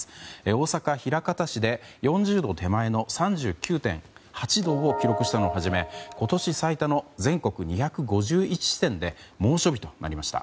大阪・枚方市で４０度手前の３９．８度を記録したのをはじめ今年最多の全国２５１地点で猛暑日となりました。